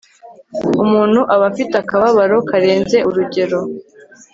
umuntu aba afite akababaro karenze urugero